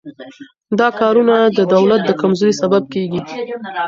دا کارونه د دولت د کمزورۍ سبب کیږي.